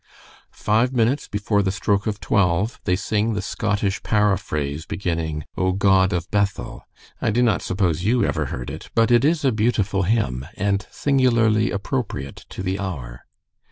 "Five minutes before the stroke of twelve, they sing the Scottish paraphrase beginning, 'O God of Bethel.' I do not suppose you ever heard it, but it is a beautiful hymn, and singularly appropriate to the hour.